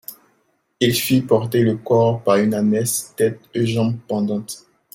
Il fit porter le corps par une ânesse, tête et jambes pendantes.